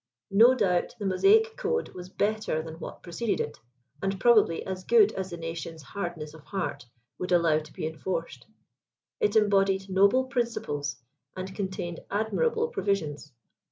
No doubt the Mosaic code was better than what preceded it ; and probably as good as the nation's '• hard ness of heart" would allow to be enforced. It embodied noble principles, and contained admirable provisions.